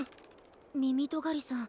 みみとがりさん